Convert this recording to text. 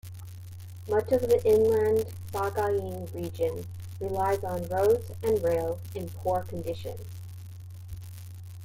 Much of the inland Sagaing Region relies on roads and rail in poor condition.